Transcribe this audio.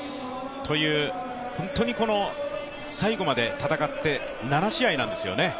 という、本当に最後まで戦って７試合なんですよね。